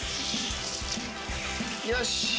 よし。